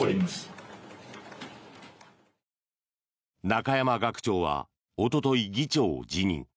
中山学長はおととい議長を辞任。